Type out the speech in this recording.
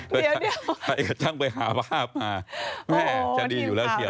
เดี๋ยวเดี๋ยวใครจะจังไปหาภาพมาแม่จะดีอยู่แล้ว